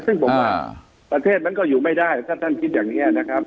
ซึ่งผมว่าประเทศมันก็อยู่ไม่ได้ถ้าท่านคิดอย่างนี้นะครับ